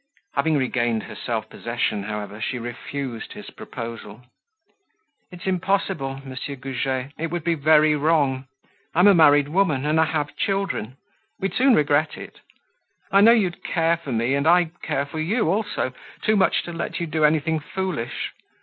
Having regained her self possession, however, she refused his proposal. "It's impossible, Monsieur Goujet. It would be very wrong. I'm a married woman and I have children. We'd soon regret it. I know you care for me, and I care for you also, too much to let you do anything foolish.